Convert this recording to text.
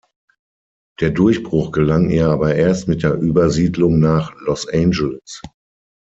Der Durchbruch gelang ihr aber erst mit der Übersiedlung nach Los Angeles.